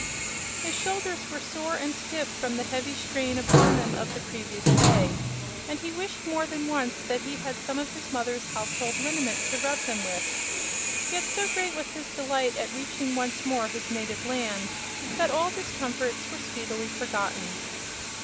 His shoulders were sore and stiff from the heavy strain upon them of the previous day, and he wished more than once that he had some of his mother's household liniment to rub them with. Yet so great was his delight at reaching once more his native land that all discomforts were speedily forgotten.